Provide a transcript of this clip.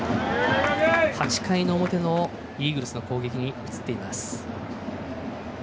８回の表のイーグルスの攻撃に移っていきます。